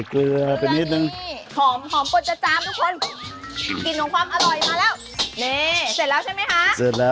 ก็ลาดลงบนกุ้งแบบนี้เลย